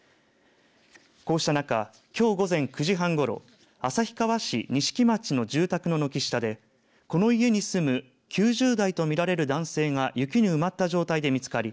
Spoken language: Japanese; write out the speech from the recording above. こうした中きょう午前９時半ごろ旭川市錦町の住宅の軒下でこの家に住む９０代と見られる男性が雪に埋まった状態で見つかり